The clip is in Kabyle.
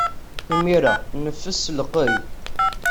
Imir-a, neffes s telqey.